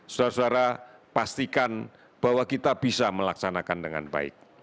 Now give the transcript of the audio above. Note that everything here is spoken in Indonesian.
saudara saudara pastikan bahwa kita bisa melaksanakan dengan baik